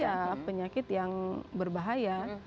ya penyakit yang berbahaya